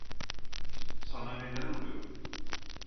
Sana neler oluyor?